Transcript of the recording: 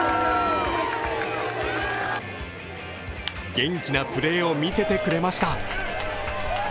元気なプレーを見せてくれました。